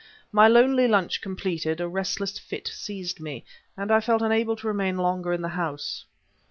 My lonely lunch completed, a restless fit seized me, and I felt unable to remain longer in the house.